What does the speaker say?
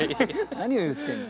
何を言ってんの。